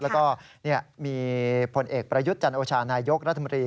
แล้วก็มีผลเอกประยุทธ์จันโอชานายกรัฐมนตรี